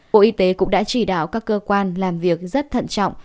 bộ y tế cũng đã chỉ đạo các cơ quan làm việc rất thận trọng